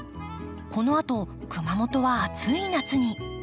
このあと熊本は暑い夏に。